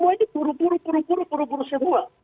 ini buru buru semua